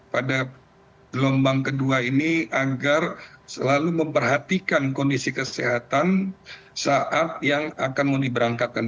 pada gelombang kedua ini agar selalu memperhatikan kondisi kesehatan saat yang akan mau diberangkatkan